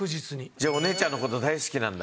じゃあお姉ちゃんの事大好きなんだ。